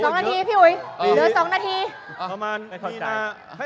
๒นาทีพี่อุยเหลือ๒นาที